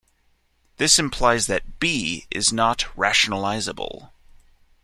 This implies that "b" is not rationalizable.